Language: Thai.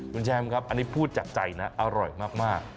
คุณแชมป์ครับอันนี้พูดจากใจนะอร่อยมาก